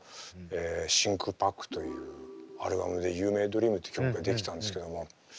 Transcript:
「真空パック」というアルバムで「ユーメイドリーム」っていう曲が出来たんですけども。